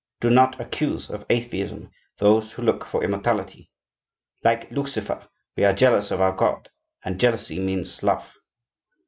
Do not accuse of atheism those who look for immortality. Like Lucifer, we are jealous of our God; and jealousy means love.